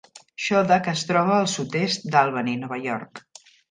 Schodack es troba al sud-est d'Albany (Nova York).